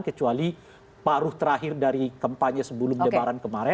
kecuali paruh terakhir dari kampanye sebelum lebaran kemarin